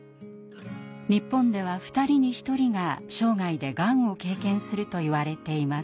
日本では２人に１人が生涯でがんを経験するといわれています。